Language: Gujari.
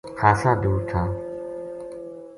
خاصا دُور تھا